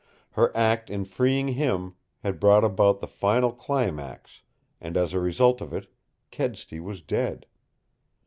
Her act in freeing him had brought about the final climax, and as a result of it, Kedsty was dead.